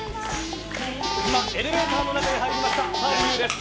今、エレベーターの中に入りました、澤部佑です。